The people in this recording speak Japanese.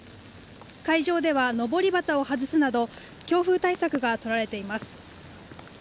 会場ではのぼり旗を外すなど強風対策がとられています。